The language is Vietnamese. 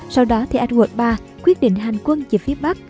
sau đó thì edward iii quyết định hành quân chỉ phía bắc